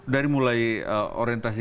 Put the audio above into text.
dari mulai orientasi